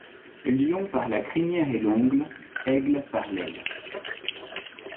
Lion par la crinière et l’ongle, aigle par l’aile ;